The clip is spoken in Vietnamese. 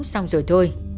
xong rồi thôi